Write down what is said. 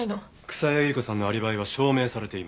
草谷ゆり子さんのアリバイは証明されています。